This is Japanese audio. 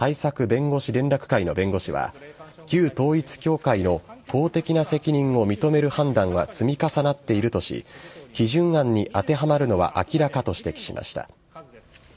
弁護士連絡会の弁護士は旧統一教会の公的な責任を認める判断は積み重なっているとし基準案に当てはまるのは明らかと指摘しました。